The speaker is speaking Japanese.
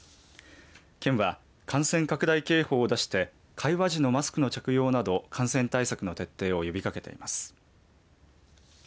県は感染拡大警報を出して会話時のマスクの着用など感染対策の徹底を呼びかけています。